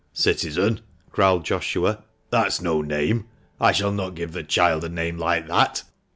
— "Citizen?" growled. Joshua, " that's no name. I shall not give the child a name like that